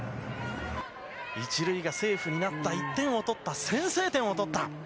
１塁がセーフになった、１点を取った、先制点を取った。